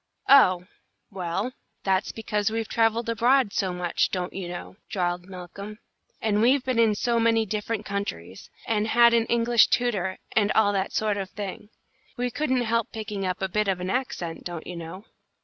"Oh, well, that's because we've travelled abroad so much, don't you know," drawled Malcolm, "and we've been in so many different countries, and had an English tutor, and all that sort of a thing. We couldn't help picking up a bit of an accent, don't you know."